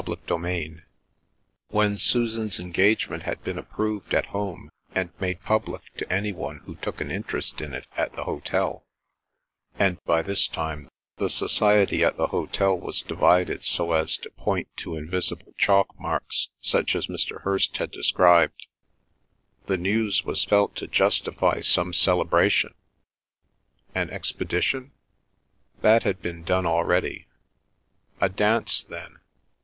CHAPTER XII When Susan's engagement had been approved at home, and made public to any one who took an interest in it at the hotel—and by this time the society at the hotel was divided so as to point to invisible chalk marks such as Mr. Hirst had described, the news was felt to justify some celebration—an expedition? That had been done already. A dance then.